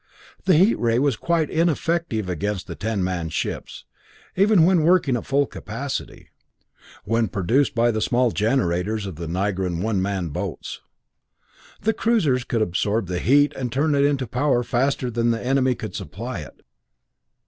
The heat ray was quite ineffective against the ten man ships, even when working at full capacity, when produced by the small generators of the Nigran one man boats. The cruisers could absorb the heat and turn it into power faster than the enemy could supply it.